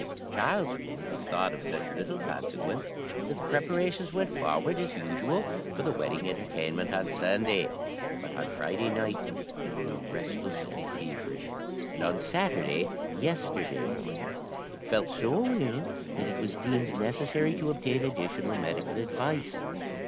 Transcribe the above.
"Charles's wound was thought of such little consequence that the preparations went forward, as usual, for the wedding entertainment on Sunday. But on Friday night he grew restless and feverish, and on Saturday (yesterday) morning felt so ill that it was deemed necessary to obtain additional medical advice.